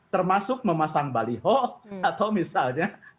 termasuk memasang baliho atau misalnya